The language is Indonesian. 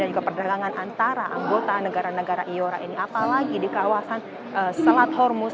juga perdagangan antara anggota negara negara iora ini apalagi di kawasan selat hormus